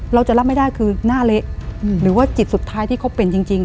เราจะรับไม่ได้คือหน้าเละหรือว่าจิตสุดท้ายที่เขาเป็นจริง